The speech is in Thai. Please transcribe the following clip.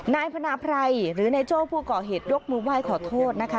นายพนาไพรหรือนายโจ้ผู้ก่อเหตุยกมือไหว้ขอโทษนะคะ